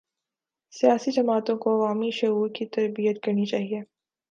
سیاسی جماعتوں کو عوامی شعور کی تربیت کرنی چاہیے۔